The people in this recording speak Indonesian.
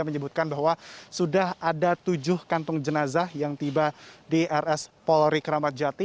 menyebutkan bahwa sudah ada tujuh kantong jenazah yang tiba di rs polri kerapajati